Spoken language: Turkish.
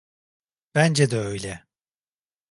Bence de öyle.